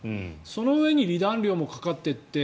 そのうえに離檀料もかかってって。